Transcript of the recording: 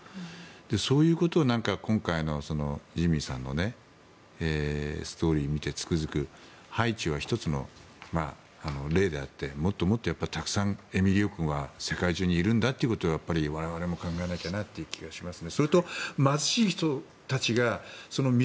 そういうことを今回のジミーさんのストーリーを見てつくづくハイチは１つの例であってもっともっとたくさんエミリオ君は世界中にいるんだということを我々も考えなきゃという気がします。